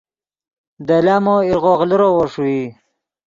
دے لامو ایرغوغ لیروّو ݰوئی